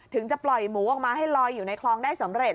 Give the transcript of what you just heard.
จะปล่อยหมูออกมาให้ลอยอยู่ในคลองได้สำเร็จ